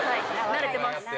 慣れてます。